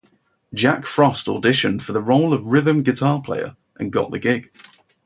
Jack Frost auditioned for the role of rhythm guitar player, and got the gig.